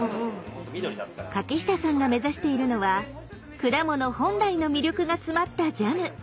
柿下さんが目指しているのは果物本来の魅力が詰まったジャム。